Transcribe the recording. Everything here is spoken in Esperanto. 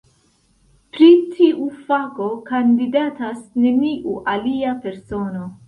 Pri tiu fako kandidatas neniu alia persono.